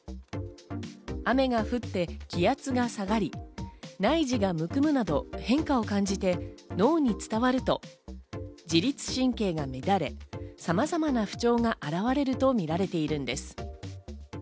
雨が降って気圧が下がり、内耳がむくむなど変化を感じて脳に伝わると、自律神経が乱れ、さまざまな不調が現れると見られています。